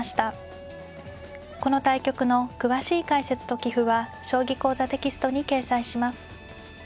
この対局の詳しい解説と棋譜は「将棋講座」テキストに掲載します。